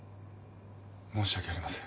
申し訳ありません。